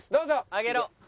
上げろ！